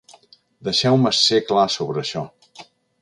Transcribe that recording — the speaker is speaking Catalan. Deixeu-me ser clar sobre això.